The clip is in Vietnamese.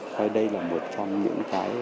coi đây là một trong những cái